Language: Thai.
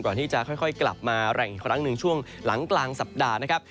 ก่อนที่จะค่อยกลับมาแรงอีกครั้งหนึ่งช่วงหลังกลางสัปดาห์นะครับ